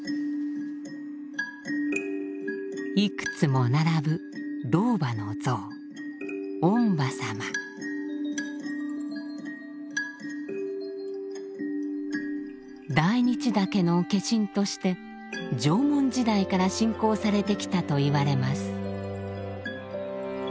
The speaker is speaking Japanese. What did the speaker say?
いくつも並ぶ老婆の像大日岳の化身として縄文時代から信仰されてきたといわれます。